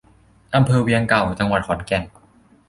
อำเภอเวียงเก่า จังหวัดขอนแก่น